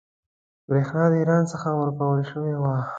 برېښنا د ایران څخه ورکول شوې وه.